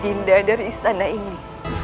dinda dari istana ini